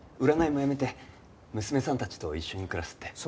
占いもやめて娘さんたちと一緒に暮らすって。